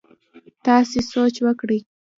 تاسي سوچ وکړئ!